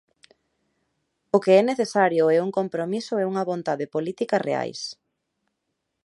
O que é necesario é un compromiso e unha vontade política reais.